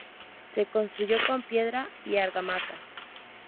Se construyó con piedra y argamasa.